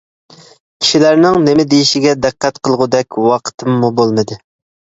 كىشىلەرنىڭ نېمە دېيىشىگە دىققەت قىلغۇدەك ۋاقتىممۇ بولمىدى.